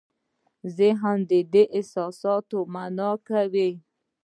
ذهن دا احساسات مانا کوي.